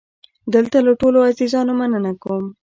دلته له ټولو عزیزانو مننه کوم.